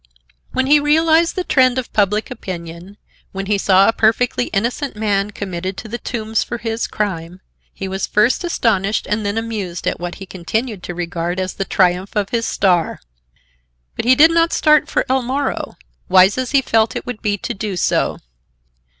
When he realized the trend of public opinion; when he saw a perfectly innocent man committed to the Tombs for his crime, he was first astonished and then amused at what he continued to regard as the triumph of his star. But he did not start for El Moro, wise as he felt it would be to do so.